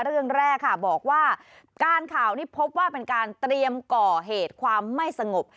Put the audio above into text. เรื่องแรกค่ะบอกว่าการข่าวนี้พบว่าเป็นการเตรียมก่อเหตุความไม่สงบ